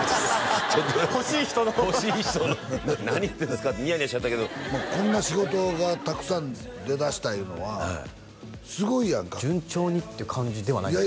欲しい人の欲しい人の何言ってるんですかってニヤニヤしちゃったけどこんな仕事がたくさん出だしたいうのはすごいやんか順調にって感じではないんですか？